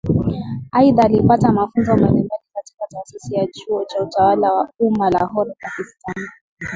Aidha alipata mafunzo mbalimbali katika Taasisi ya Chuo cha Utawala wa Umma Lahore Pakistan